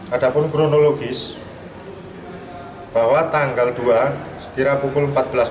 ada pun kronologis bahwa tanggal dua sekira pukul empat belas dua puluh